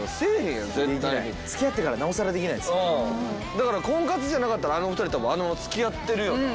だから婚活じゃなかったらあの２人たぶんあのまま付き合ってるよな。